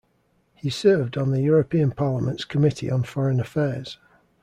He served on the European Parliament's Committee on Foreign Affairs.